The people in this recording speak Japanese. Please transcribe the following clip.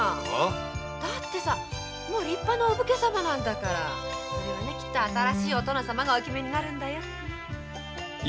だってもう立派なお武家さんですもの。きっと新しいお殿様がお決めになるんだよネ。